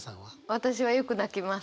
私はよく泣きます。